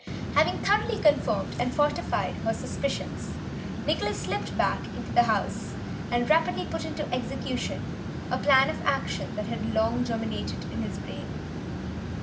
Having thoroughly confirmed and fortified her suspicions Nicholas slipped back into the house and rapidly put into execution a plan of action that had long germinated in his brain.